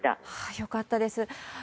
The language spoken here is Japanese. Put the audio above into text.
よかったです。